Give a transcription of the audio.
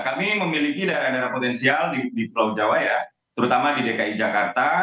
kami memiliki daerah daerah potensial di pulau jawa ya terutama di dki jakarta